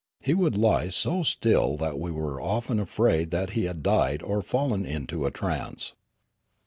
He would lie so still that we were often afraid that he had died or fallen into a trance.